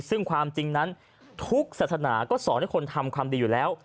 ซึ่งความจริงนั้นทุกศาสนาก็สอนให้คนทำความดีอยู่แล้ว